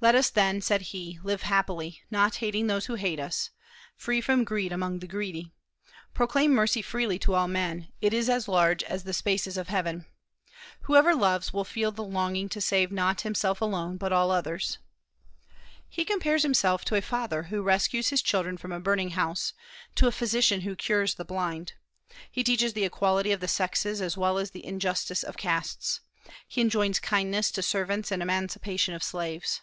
"Let us then," said he, "live happily, not hating those who hate us; free from greed among the greedy.... Proclaim mercy freely to all men; it is as large as the spaces of heaven.... Whoever loves will feel the longing to save not himself alone, but all others." He compares himself to a father who rescues his children from a burning house, to a physician who cures the blind. He teaches the equality of the sexes as well as the injustice of castes. He enjoins kindness to servants and emancipation of slaves.